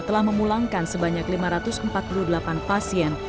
telah memulangkan sebanyak lima ratus empat puluh delapan pasien